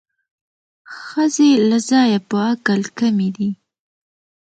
ښځې له ځایه په عقل کمې دي